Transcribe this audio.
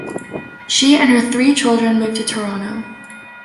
She and her three children moved to Toronto.